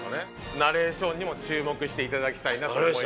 ナレーションにも注目して頂きたいなと思います。